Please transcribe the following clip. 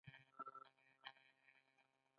ښوونځی د هېواد خدمت ته چمتو کوي